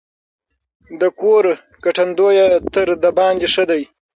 د کور ګټندويه تر دباندي ښه دی.